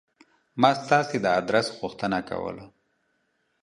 ما ستاسې د آدرس غوښتنه کوله.